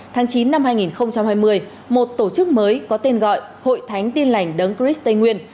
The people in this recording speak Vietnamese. tháng chín năm hai nghìn hai mươi một tổ chức mới có tên gọi hội thánh tin lành đấng chris tây nguyên